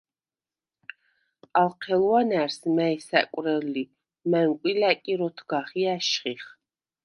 ალ ჴელუ̂ანა̈რს, მა̈ჲ საკუ̂რელ ლი, მა̈ნკუ̂ი ლა̈კირ ოთგახ ი ა̈შხიხ.